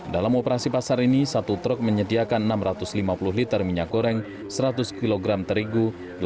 dalam operasi pasar ini satu truk menyediakan enam ratus lima puluh liter minyak goreng seratus kg terigu